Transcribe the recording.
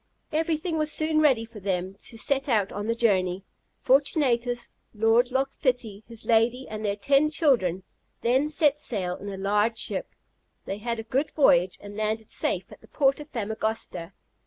Everything was soon ready for them to set out on the journey. Fortunatus, Lord Loch Fitty, his lady, and their ten children, then set sail in a large ship: they had a good voyage, and landed safe at the port of Famagosta.